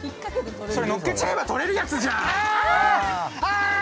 それ、のっけちゃえばとれるやつじゃん。